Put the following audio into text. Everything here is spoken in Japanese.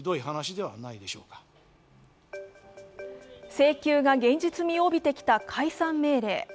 請求が現実味を帯びてきた解散命令。